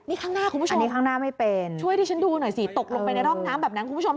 นี่ข้างหน้าคุณผู้ชมช่วยดิฉันดูหน่อยสิตกลงไปในร่องน้ำแบบนั้นคุณผู้ชม